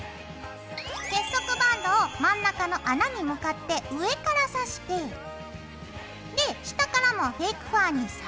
結束バンドを真ん中の穴に向かって上から挿して下からもフェイクファーに挿します。